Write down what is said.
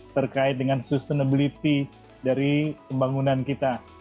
terkait dengan sustainability dari pembangunan kita